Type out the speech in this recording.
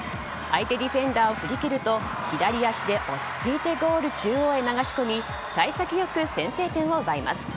相手ディフェンダーを振り切ると左足で落ち着いてゴール中央へ流し込み幸先よく先制点を奪います。